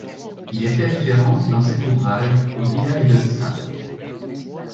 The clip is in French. Il est fait référence dans cet ouvrage au village de St.